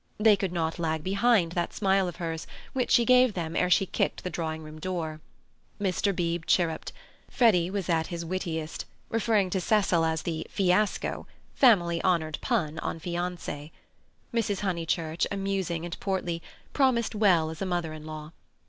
They could not lag behind that smile of hers which she gave them ere she kicked the drawing room door. Mr. Beebe chirruped. Freddy was at his wittiest, referring to Cecil as the "Fiasco"—family honoured pun on fiance. Mrs. Honeychurch, amusing and portly, promised well as a mother in law.